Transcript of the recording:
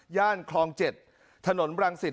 ย่านคลอง๗ถนนบรังสิน